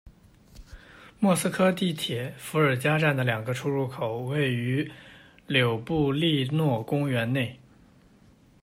莫斯科地铁伏尔加站的两个出入口位于柳布利诺公园内。